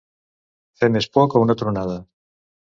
Fer més por que una tronada.